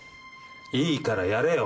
いいからやれよ。